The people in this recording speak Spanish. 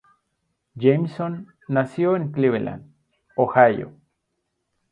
Jameson nació en Cleveland, Ohio.